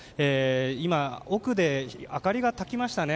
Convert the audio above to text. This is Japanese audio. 今、奥で明かりがたきましたね。